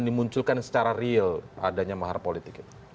dan dimunculkan secara real adanya mahar politik itu